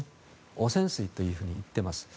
汚染水と言っています。